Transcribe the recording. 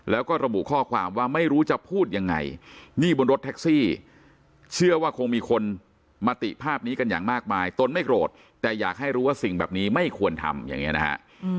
แล้วก็ระบุข้อความว่าไม่รู้จะพูดยังไงนี่บนรถแท็กซี่เชื่อว่าคงมีคนมาติภาพนี้กันอย่างมากมายตนไม่โกรธแต่อยากให้รู้ว่าสิ่งแบบนี้ไม่ควรทำอย่างนี้นะฮะ